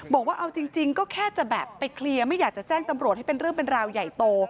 บอกว่าเอาจริงก็แค่จะแบบไปเคลียร์ไม่อยากจะแจ้งตำรวจให้เป็นเรื่องเป็นราวใหญ่โต